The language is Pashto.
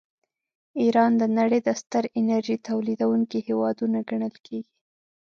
ایران د نړۍ د ستر انرژۍ تولیدونکي هېوادونه ګڼل کیږي.